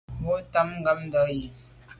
Bo tam ngàmndà yi.